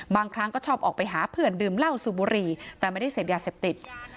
บางครั้งก็ชอบออกไปหาเพื่อนดื่มเหล้าสูบบุหรี่แต่ไม่ได้เสพยาเสพติด